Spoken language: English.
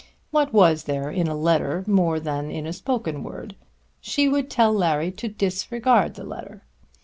What was there in a letter more than in a spoken word? She would tell Larry to disregard the letter.